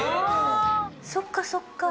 そっかそっか。